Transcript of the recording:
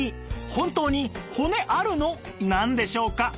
本当に「骨あるの？」なんでしょうか